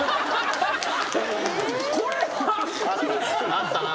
あったな。